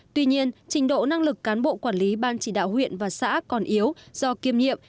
tuy nhiên trình độ năng lực cán bộ quản lý ban chỉ đạo huyện và xã còn yếu do kiêm nhiệm